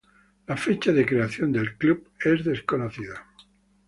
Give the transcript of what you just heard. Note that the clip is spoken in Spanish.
La fecha de creación del club es desconocida.